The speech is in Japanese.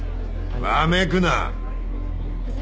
わめくな。